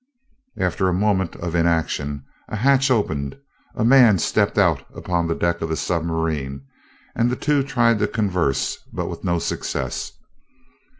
After a moment of inaction, a hatch opened, a man stepped out upon the deck of the submarine, and the two tried to converse, but with no success.